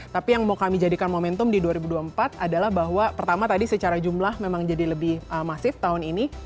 tapi yang mau kami jadikan momentum di dua ribu dua puluh empat adalah bahwa pertama tadi secara jumlah memang jadi lebih masif tahun ini